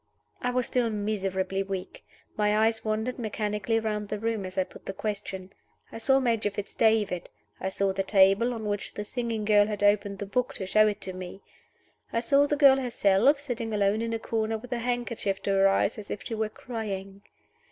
I was still miserably weak. My eyes wandered mechanically round the room as I put the question. I saw Major Fitz David, I saw the table on which the singing girl had opened the book to show it to me. I saw the girl herself, sitting alone in a corner, with her handkerchief to her eyes as if she were crying.